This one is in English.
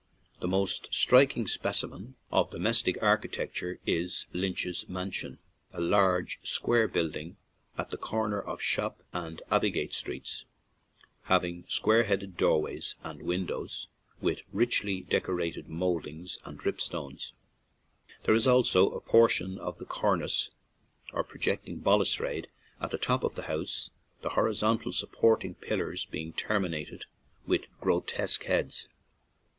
The most strik ing specimen of domestic architecture is Lynch's Mansion, a large, square build ing at the corner of Shop and Abbeygate 99 LflfC> ON AN IRISH JAUNTING CAR streets, having square headed doorways and windows, with richly decorated mould ings and drip stones. There is also a portion of the cornice or projecting bal ustrade at the top of the house, the hori zontal supporting pillars being termi nated with grotesque heads.